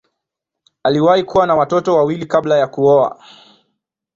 Aliwahi kuwa na watoto wawili kabla ya kuoa.